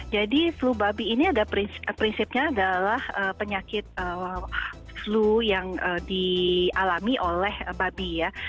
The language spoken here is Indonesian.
jadi flu babi ini ada prinsipnya adalah penyakit flu yang dialami oleh babi ya